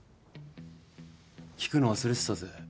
聞くの忘れてたぜ。